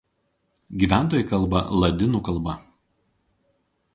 Gyventojai kalba ladinų kalba.